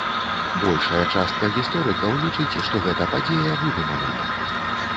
Большая частка гісторыкаў лічыць, што гэта падзея выдуманая.